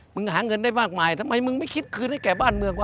หาเงินได้มากมายทำไมมึงไม่คิดคืนให้แก่บ้านเมืองวะ